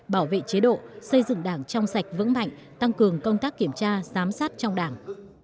bảo vệ chế độ xây dựng đảng trong sạch vững mạnh tăng cường công tác kiểm tra giám sát trong đảng